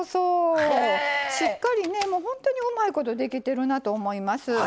しっかりねもう本当にうまいことできてるなと思います。